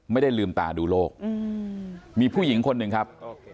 ไม่ได้ลืมตาดูโลกมีผู้หญิงคนหนึ่งครับ